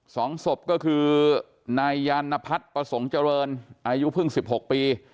สองศพก็คือนายยานพัฒน์ประสงค์เจริญอายุเพิ่งสิบหกปี